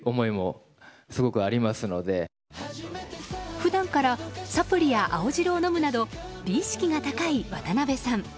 普段からサプリや青汁を飲むなど美意識が高い渡辺さん。